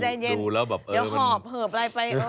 ใจเย็นเจระห่อเหิบอะไรไป